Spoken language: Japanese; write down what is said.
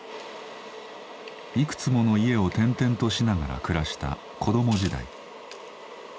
いくつもの家を転々としながら暮らした子ども時代。